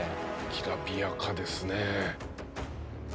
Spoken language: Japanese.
きらびやかですね。